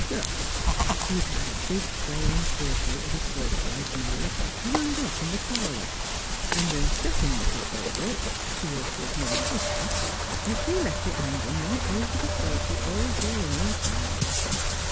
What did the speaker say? Gus, he'd had a big crayon portrait of his first wife made an' hung up in th' parlour; an' the secon' Mis' Bogert — she 'twas Minnie Fisher — left it hangin' right over the sofy all durin' her time.